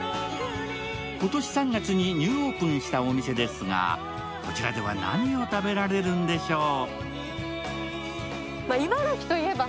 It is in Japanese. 今年３月にニューオープンしたお店ですがこちらでは何を食べられるんでしょう？